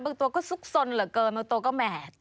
ตัวก็ซุกสนเหลือเกินบางตัวก็แหม